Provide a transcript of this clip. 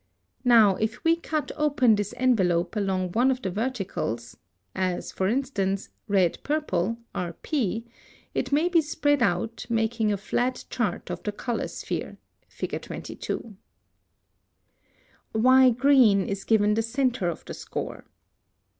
Now, if we cut open this envelope along one of the verticals, as, for instance, red purple (RP), it may be spread out, making a flat chart of the color sphere (Fig. 22). +Why green is given the centre of the score.